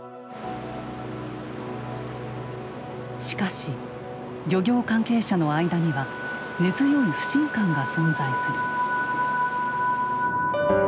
しかし漁業関係者の間には根強い不信感が存在する。